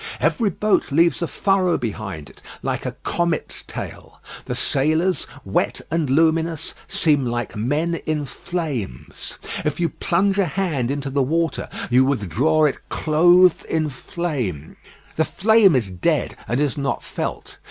Every boat leaves a furrow behind it like a comet's tail. The sailors, wet and luminous, seem like men in flames. If you plunge a hand into the water, you withdraw it clothed in flame. The flame is dead, and is not felt.